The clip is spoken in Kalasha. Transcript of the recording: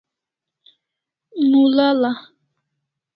Momal'a